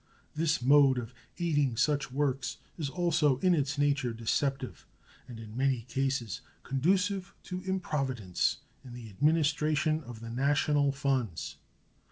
This mode of aiding such works is also in its nature deceptive, and in many cases conducive to improvidence in the administration of the national funds.